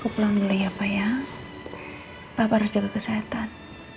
papa harus jaga kesehatan